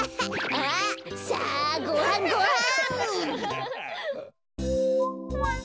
あっさあごはんごはん！